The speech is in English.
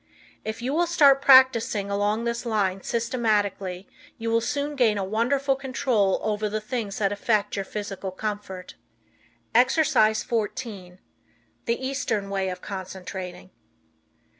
If you will start practicing along this line systematically you will soon gain a wonderful control over the things that affect your physical comfort. Exercise 14 The Eastern Way of Concentrating.